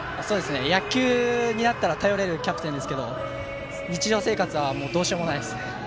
野球になったら頼れるキャプテンですけど日常生活はどうしようもないです。